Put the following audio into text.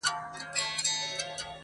اې د ویدي د مست سُرود او اوستا لوري.